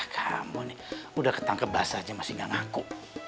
kamu nih udah ketangkebas aja masih gak ngaku